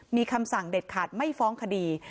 มีคำสั่งเด็ดขาดไม่ฟ้องคดี